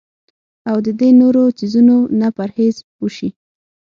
او د دې نورو څيزونو نه پرهېز اوشي